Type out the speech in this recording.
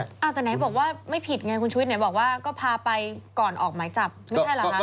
อาจจะไหนบอกว่าไม่ผิดไงคุณชุวิตไหนบอกว่าก็พาไปก่อนออกไม้จับ